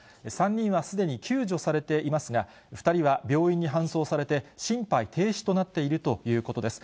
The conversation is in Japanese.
３人はすでに救助されていますが、２人は病院に搬送されて、心肺停止となっているということです。